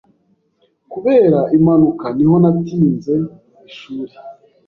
Kubera impanuka niho natinze ishuri.